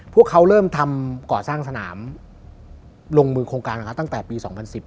พวกเขาเริ่มทำก่อสร้างสนามลงมือโครงการของเขาตั้งแต่ปี๒๐๑๐